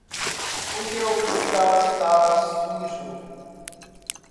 Porque o cristal estava sujo.